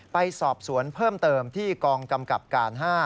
ไปสอบสวนเพิ่มเติมที่กองกำกับการ๕